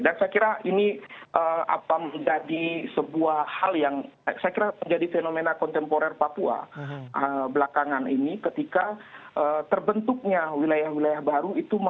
dan saya kira ini apa menjadi sebuah hal yang saya kira menjadi fenomena kontemporer papua belakangan ini ketika terbentuknya wilayah wilayah baru